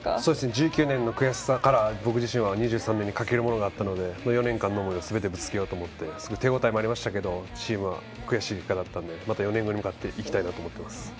１９年の悔しさから僕自身は２３年にかける思いがあったのですべてぶつけようと思って手応えもありましたけどチームは悔しい結果だったのでまた４年後行きたいなと思います。